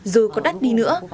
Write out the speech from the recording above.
dù có đắt đi nữa